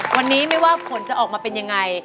วันนี้ไม่ว่าผลจะออกมาเป็นยังไง